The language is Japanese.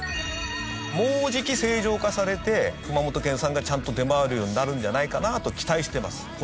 もうじき正常化されて熊本県産がちゃんと出回るようになるんじゃないかなと期待してます。